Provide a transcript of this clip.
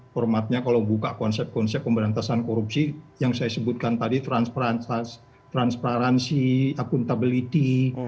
formatnya kalau buka konsep konsep pemberantasan korupsi yang saya sebutkan tadi transparansi akuntabilitas